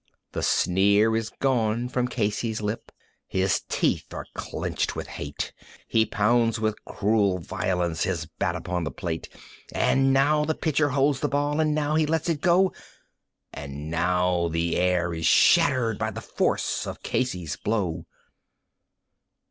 The sneer is gone from Casey's lip, his teeth are clenched with hate; He pounds with cruel violence his bat upon the plate; And now the pitcher holds the ball, and now he lets it go, And now the air is shattered by the force of Casey's blow.